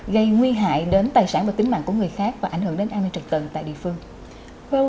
gây nguy hại đến tài sản và tính mạng của người khác và ảnh hưởng đến an ninh trật tự tại địa phương